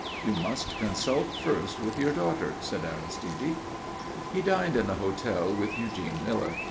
"You must consult first with your daughter," said Aristide. He dined in the hotel with Eugene Miller.